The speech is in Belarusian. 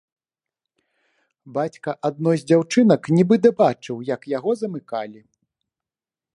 Бацька адной з дзяўчынак нібыта бачыў, яе яго замыкалі.